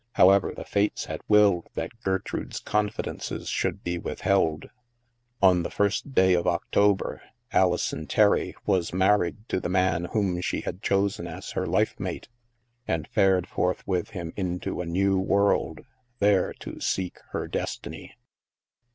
However, the Fates had willed that Gertrude's confidences should be withheld. On the first day of October, Alison Terry was married to the man whom she had chosen as her lifemate, and fared forth with him into a new world, there to seek her destiny.